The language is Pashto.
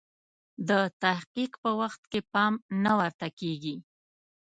د تحقیق په وخت کې پام نه ورته کیږي.